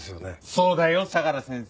そうだよ相良先生。